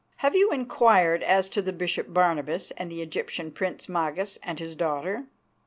Have you inquired as to the Bishop Barnabas and the Egyptian Prince Magas and his daughter?"